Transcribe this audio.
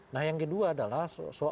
nah yang kedua adalah